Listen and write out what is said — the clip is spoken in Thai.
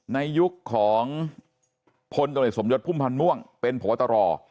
ในยุคของพลล์กับประโยฉน์ศมยศภูมิพันธ์ม่วงเป็นโผวตร